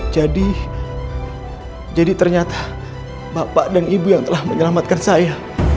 jadi jadi ternyata bapak dan ibu yang telah menyelamatkan saya